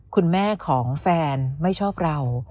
คุณแม่ของแฟนไม่ชอบเรา